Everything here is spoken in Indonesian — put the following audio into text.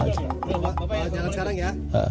jangan sekarang ya